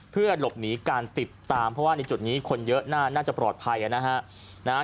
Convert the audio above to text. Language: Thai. เพื่อหลบหนีการติดตามเพราะว่าในจุดนี้คนเยอะน่าจะปลอดภัยนะฮะ